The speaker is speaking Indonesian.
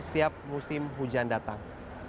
setiap musim hujan datang